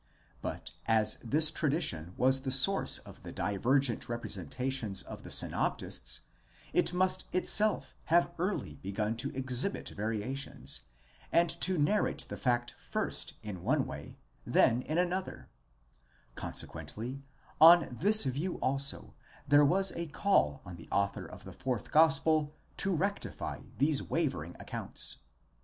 But as this tradition was the source of the divergent representations of the synoptists, it must itself have early begun to exhibit variations, and to narrate the fact first in one way, then in another: consequently on this view also there was a call on the author of the fourth gospel to rectify these wavering accounts.